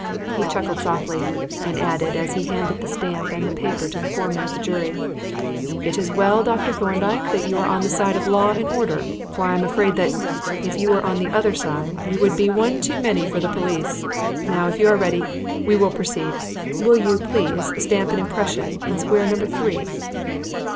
He chuckled softly and added, as he handed the stamp and the paper to the foreman of the jury: "It is well, Dr. Thorndyke, that you are on the side of law and order, for I am afraid that, if you were on the other side, you would be one too many for the police. Now, if you are ready, we will proceed. Will you, please, stamp an impression in square number three."